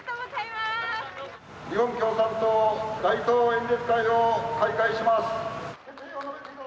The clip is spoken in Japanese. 日本共産党街頭演説会を開催します。